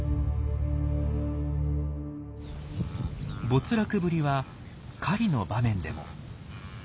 没落ぶりは狩りの場面でも。